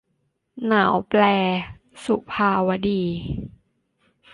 หนาวแปร - สุภาวดี